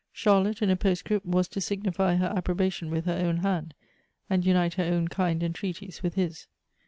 Charlotte, in a postscript, was to signify her approbation with her own hand, and unite her own kind entreaties with his.